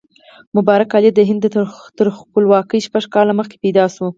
مبارک علي د هند تر خپلواکۍ شپږ کاله مخکې پیدا شو.